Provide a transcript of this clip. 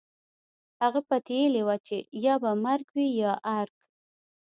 هغه پتېيلې وه چې يا به مرګ وي يا ارګ.